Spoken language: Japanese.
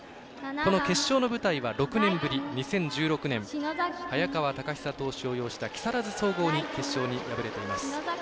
この決勝の舞台は６年ぶり２０１６年早川隆久投手を擁した木更津総合に決勝で敗れています。